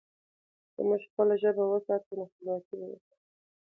که موږ خپله ژبه وساتو، نو خپلواکي به وساتو.